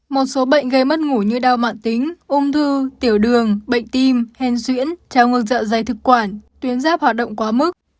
một số bệnh gây mất ngủ như đau mạng tính ung thư tiểu đường bệnh tim hèn xuyễn trào ngược dạ dày thực quản tuyến giáp hoạt động quá mức